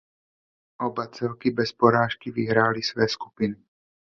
Oba celky bez porážky vyhrály své skupiny.